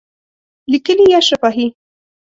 لیکلي یا شفاهی؟